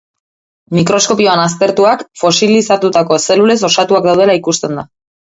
Mikroskopioan aztertuak, fosilizatutako zelulez osatuak daudela ikusten da.